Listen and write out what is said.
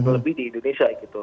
lebih di indonesia gitu